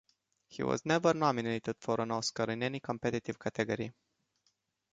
He was never nominated for an Oscar in any competitive category.